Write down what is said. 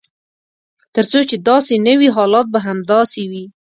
تر څو چې داسې نه وي حالات به همداسې وي.